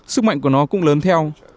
sức mạnh của nó cũng lớn theo